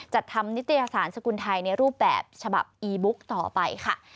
จัดทำนิตยสารสกุลไทยในรูปแบบฉบับอีบุ๊กต่อไปค่ะ